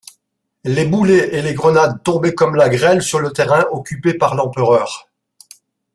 Les boulets et les grenades tombaient comme la grêle sur le terrain occupé par l'empereur.